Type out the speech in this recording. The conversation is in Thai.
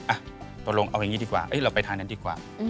ตกลงเอาอย่างนี้ดีกว่าเราไปทางนั้นดีกว่า